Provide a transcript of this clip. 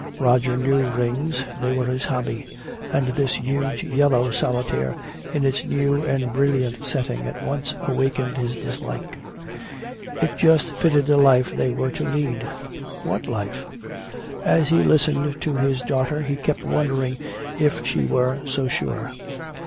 Roger knew rings, they were his hobby, and this huge yellow solitaire in its new and brilliant setting at once awakened his dislike. It just fitted the life they were to lead! What life? As he listened to his daughter he kept wondering if she were so sure.